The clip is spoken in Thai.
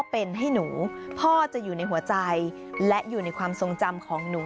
เป็นให้หนูพ่อจะอยู่ในหัวใจและอยู่ในความทรงจำของหนู